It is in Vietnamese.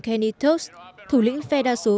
kenny toast thủ lĩnh phe đa số